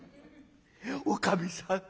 おかみさん